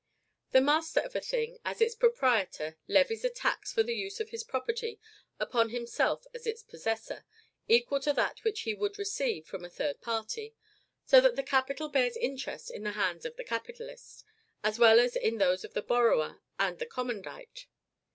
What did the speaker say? The master of a thing, as its proprietor, levies a tax for the use of his property upon himself as its possessor, equal to that which he would receive from a third party; so that capital bears interest in the hands of the capitalist, as well as in those of the borrower and the commandite.